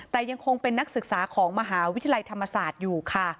แต่ยังคงเป็นนักศึกษาของมหาวิทยาลัยธรรมศาสตร์อยู่ค่ะ